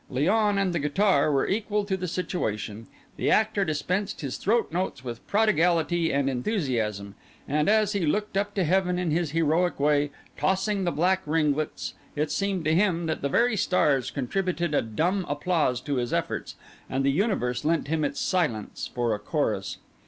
Léon and the guitar were equal to the situation. The actor dispensed his throat notes with prodigality and enthusiasm; and, as he looked up to heaven in his heroic way, tossing the black ringlets, it seemed to him that the very stars contributed a dumb applause to his efforts, and the universe lent him its silence for a chorus.